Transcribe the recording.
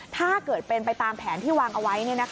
ถ้าเกิดเป็นไปตามแผนที่วางเอาไว้